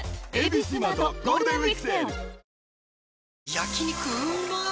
焼肉うまっ